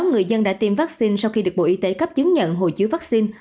người dân đã tiêm vắc xin sau khi được bộ y tế cấp chứng nhận hộ chiếu vắc xin